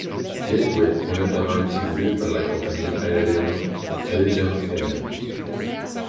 Gateway est notamment utilisé par la compagnie aérienne Allegiant Air.